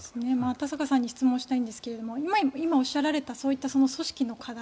田坂さんに質問したいんですが今おっしゃられたそういった組織の課題